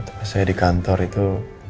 terus saya di kantor itu